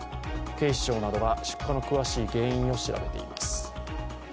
警視庁などが出火の詳しい原因を調べています。